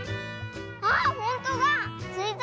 あっほんとだ！